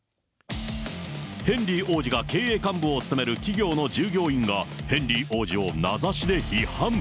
ヘンリー王子が経営幹部を務める企業の従業員が、ヘンリー王子を名指しで批判。